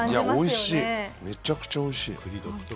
めちゃくちゃおいしい！